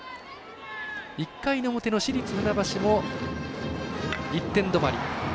１回の表の市立船橋も１点止まり。